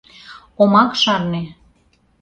Омак шарне.